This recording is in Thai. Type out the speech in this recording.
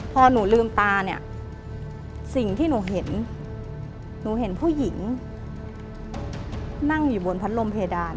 พอหนูลืมตาเนี่ยสิ่งที่หนูเห็นหนูเห็นผู้หญิงนั่งอยู่บนพัดลมเพดาน